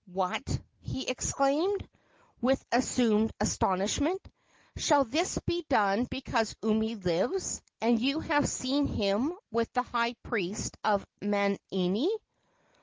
"What!" he exclaimed, with assumed astonishment, "shall this be done because Umi lives, and you have seen him with the high priest of Manini?"